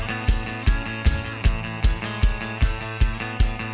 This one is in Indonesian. lebih tinggi dan rendah dari luna di vestibular yang di abordasi